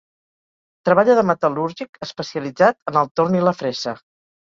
Treballà de metal·lúrgic, especialitzat en el torn i la fressa.